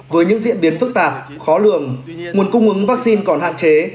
với những diễn biến phức tạp khó lường nguồn cung ứng vaccine còn hạn chế